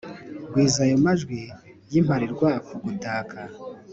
gwiza ayo majwi y'imparirwakugutaka !